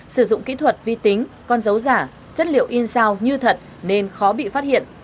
sử dụng kỹ thuật vi tính con dấu giả chất liệu in sao như thật nên khó bị phát hiện